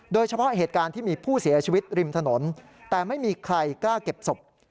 โดยเฉพาะเหตุการณ์ที่มีผู้เสียชีวิตริมถนนแต่ไม่มีใครกล้าเก็บศพ